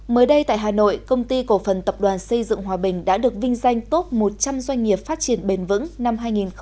mới đây tại hà nội công ty cổ phần tập đoàn xây dựng hòa bình đã được vinh danh top một trăm linh doanh nghiệp phát triển bền vững năm hai nghìn một mươi chín